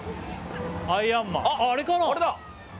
あれかな？